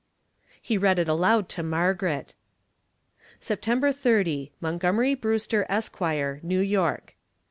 He read it aloud to Margaret. September 30. MONTGOMERY BREWSTER, ESQ., New York.